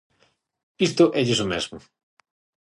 Isto élles o mesmo.